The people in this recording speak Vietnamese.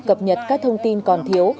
cập nhật các thông tin còn thiếu